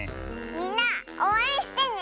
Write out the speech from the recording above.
みんなおうえんしてね！